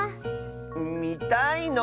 みたいの？